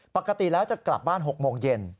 ปกติแล้วจะกลับบ้าน๖โมงเย็น